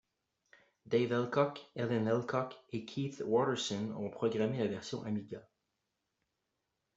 Dave Elcock, Helen Elcock et Keith Watterson ont programmé la version Amiga.